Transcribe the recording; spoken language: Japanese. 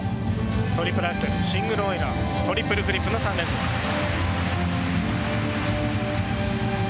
トリプルアクセル、シングルオイラー、トリプルフリップの３連続。